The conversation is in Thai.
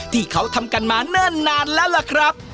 ที่เขาทำกันมาเนิ่นนานแล้วล่ะครับ